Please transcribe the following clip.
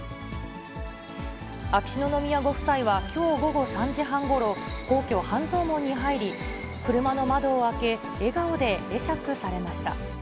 秋篠宮ご夫妻はきょう午後３時半ごろ、皇居・半蔵門に入り、車の窓を開け、笑顔で会釈されました。